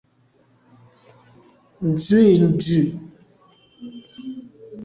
Nzwi dù.